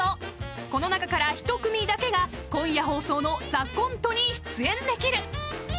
［この中から１組だけが今夜放送の『ＴＨＥＣＯＮＴＥ』に出演できる］